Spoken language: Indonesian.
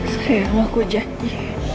sayang aku janji